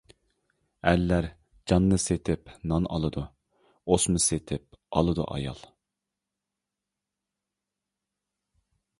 ئەرلەر جاننى سېتىپ نان ئالىدۇ، ئوسما سېتىپ ئالىدۇ ئايال.